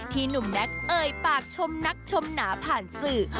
หนุ่มแน็กเอ่ยปากชมนักชมหนาผ่านสื่อ